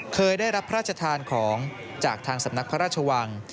เคยได้รับพระราชทานของจากทางสำนักพระราชวัง